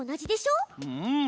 うん！